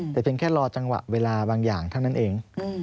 แต่เพียงแค่รอจังหวะเวลาบางอย่างเท่านั้นเอง